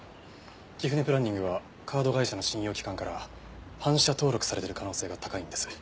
キフネ・プランニングはカード会社の信用機関から反社登録されてる可能性が高いんです。